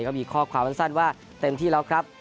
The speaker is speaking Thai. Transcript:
ก็มีข้อความสั้นว่าเต็มที่แล้วครับ